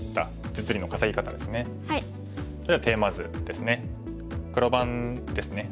ではテーマ図ですね。